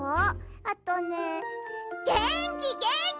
あとねげんきげんき！